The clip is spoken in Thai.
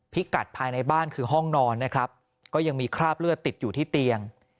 กัดภายในบ้านคือห้องนอนนะครับก็ยังมีคราบเลือดติดอยู่ที่เตียง